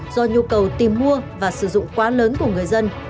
do nhu cầu tìm mua và sử dụng quá lớn của người dân